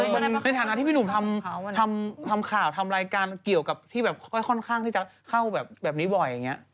ในฐานะที่พี่หนุ่มทำข่าวทำรายการเกี่ยวกับที่แบบค่อนข้างที่จะเข้าแบบนี้บ่อยอย่างนี้